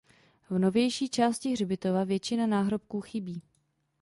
V novější části hřbitova většina náhrobků chybí.